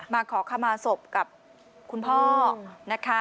ขอขมาศพกับคุณพ่อนะคะ